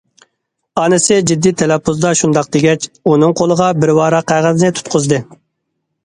ئانىسى جىددىي تەلەپپۇزدا شۇنداق دېگەچ، ئۇنىڭ قولىغا بىر ۋاراق قەغەزنى تۇتقۇزدى.